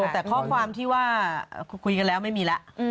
แต่ข้อความที่ว่าคุยกันแล้วไม่มีแล้ว